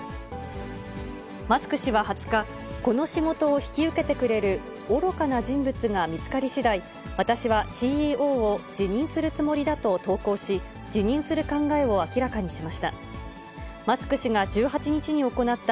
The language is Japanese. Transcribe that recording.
マスク氏は２０日、この仕事を引き受けてくれる愚かな人物が見つかりしだい、私はＣＥＯを辞任するつもりだと投稿し、辞任する考えを明らかにしました。